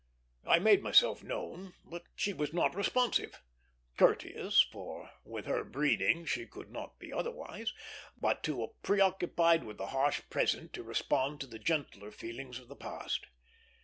I made myself known, but she was not responsive; courteous, for with her breeding she could not be otherwise, but too preoccupied with the harsh present to respond to the gentler feelings of the past.